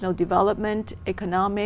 đặc biệt là một cộng đồng